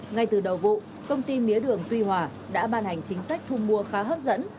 ngay từ đầu vụ công ty mía đường tuy hòa đã ban hành chính sách thu mua khá hấp dẫn